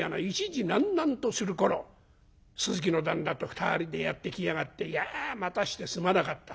１時なんなんとする頃鈴木の旦那と２人でやって来やがって『いや待たしてすまなかった。